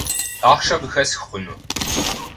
Ахъшэ къыхэсх хъуну?